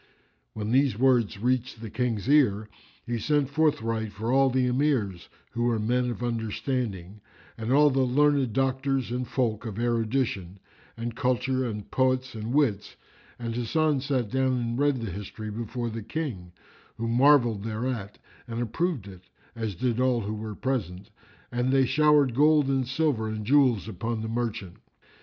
When these words reached the King's ear, he sent forthright for all the Emirs, who were men of understanding, and all the learned doctors and folk of erudition and culture and poets and wits; and Hasan sat down and read the history before the King, who marvelled thereat and approved it, as did all who were present, and they showered gold and silver and jewels upon the Merchant.